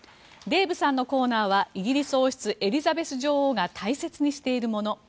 デーブさんのコーナーはイギリス王室、エリザベス女王が大切にしているもの